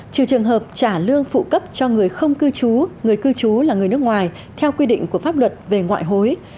trừ trường hợp trả lương phụ cấp cho người không cư trú người cư trú là người nước ngoài theo quy định của pháp luật về ngoại hối